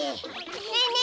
ねえねえ